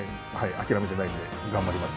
諦めてないんで頑張ります。